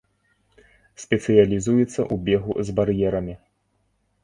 Спецыялізуецца ў бегу з бар'ерамі.